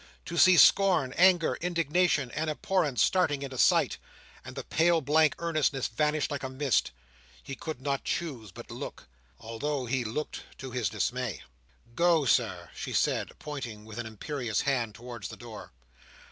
To see scorn, anger, indignation, and abhorrence starting into sight, and the pale blank earnestness vanish like a mist! He could not choose but look, although he looked to his dismay. "Go, Sir!" she said, pointing with an imperious hand towards the door.